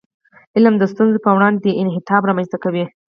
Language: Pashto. علم د ستونزو په وړاندې انعطاف رامنځته کوي.